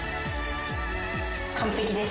完璧です。